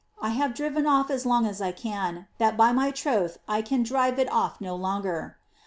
I hare driven off as long as I can, that by my troth I can drive it off no longer.